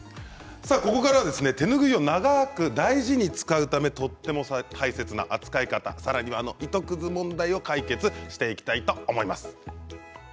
ここからは手ぬぐいは長く大事に使うためにとっても大切な扱い方さらには糸くず問題、解決していきたいと思います。